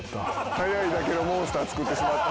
早いだけのモンスター作ってしまった。